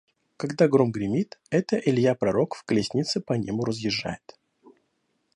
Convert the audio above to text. Когда гром гремит, это Илья-пророк в колеснице по небу разъезжает.